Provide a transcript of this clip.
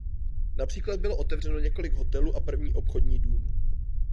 Například bylo otevřeno několik hotelů a první obchodní dům.